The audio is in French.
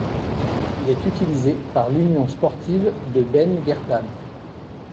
Il est utilisé par l'Union sportive de Ben Guerdane.